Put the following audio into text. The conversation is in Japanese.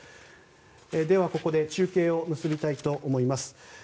では、ここで中継を結びたいと思います。